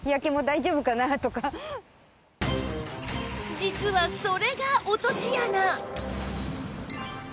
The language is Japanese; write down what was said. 実はそれが落とし穴！